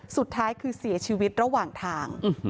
สุดท้ายคือเสียชีวิตระหว่างทาง